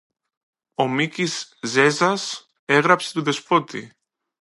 Ο Μίκης Ζέζας έγραψε του Δεσπότη